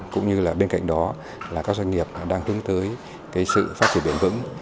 cũng như là bên cạnh đó là các doanh nghiệp đang hướng tới sự phát triển bền vững